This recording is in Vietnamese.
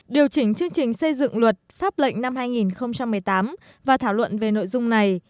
điều chỉnh chương trình xây dựng luật pháp lệnh năm hai nghìn một mươi tám và thảo luận về nội dung này